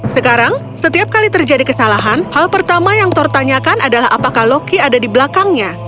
sekarang setiap kali terjadi kesalahan hal pertama yang thor tanyakan adalah apakah loki ada di belakangnya